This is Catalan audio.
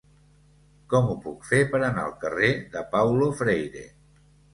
Com ho puc fer per anar al carrer de Paulo Freire?